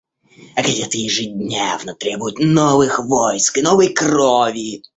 А газеты ежедневно требуют новых войск и новой крови.